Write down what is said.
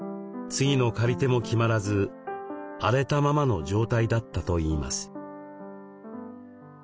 次の借り手も決まらず荒れたままの状態だったといいます。